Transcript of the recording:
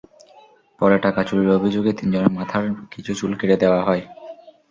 পরে টাকা চুরির অভিযোগে তিনজনের মাথার কিছু চুল কেটে দেওয়া হয়।